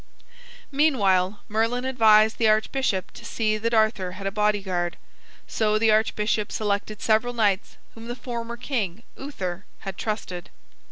Meanwhile, Merlin advised the archbishop to see that Arthur had a bodyguard. So the archbishop selected several knights whom the former king, Uther, had trusted.